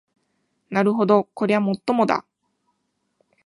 なるほどこりゃもっともだ